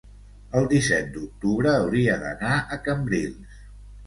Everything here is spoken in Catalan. el disset d'octubre hauria d'anar a Cambrils.